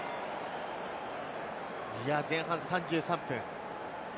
前半３３分。